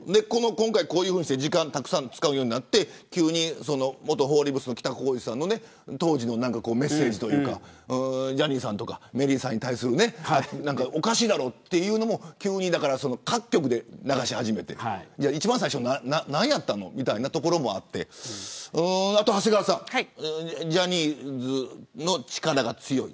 今回、こういうふうにして時間をたくさん使うようになって急に元フォーリーブスの北公次さんの当時のメッセージというかジャニーさんとかメリーさんに対するおかしいだろというのも急に各局で流し始めて一番最初、なんやったのみたいなところもあってあと長谷川さんジャニーズの力が強い。